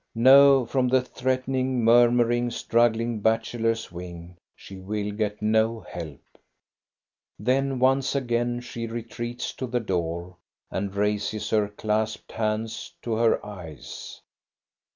No, from the threatening, murmuring, struggling bachelors' wing she will get no help. Then once again she retreats to the door and raises her clasped hands to her eyes.